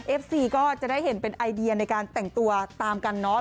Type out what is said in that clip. เอฟซีก็จะได้เห็นเป็นไอเดียในการแต่งตัวตามกันเนาะ